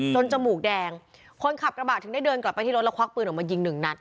จมูกแดงคนขับกระบะถึงได้เดินกลับไปที่รถแล้วควักปืนออกมายิงหนึ่งนัด